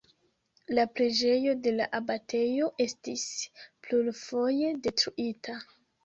La preĝejo de la abatejo estis plurfoje detruita.